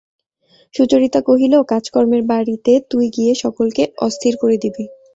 সুচরিতা কহিল, কাজকর্মের বাড়িতে তুই গিয়ে সকলকে অস্থির করে দিবি।